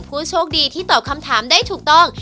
ผู้โชคดีที่ตอบคำถามได้ถูกต้อง